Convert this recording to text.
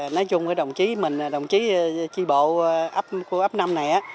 nói chung đồng chí mình đồng chí tri bộ của ấp năm này